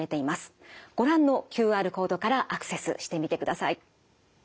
ご覧のＱＲコードからアクセスしてみてください。